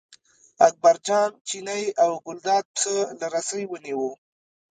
اکبرجان چینی او ګلداد پسه له رسۍ ونیوه.